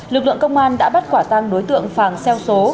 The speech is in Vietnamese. lực lượng công an đã bắt quả tăng đối tượng phàng xe số